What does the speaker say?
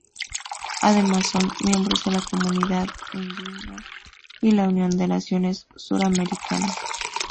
Además, son miembros de la Comunidad Andina y la Unión de Naciones Suramericanas.